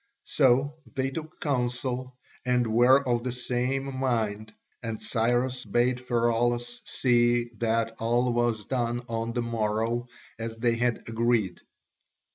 So they took counsel and were of the same mind, and Cyrus bade Pheraulas see that all was done on the morrow as they had agreed.